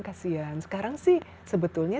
kasian sekarang sih sebetulnya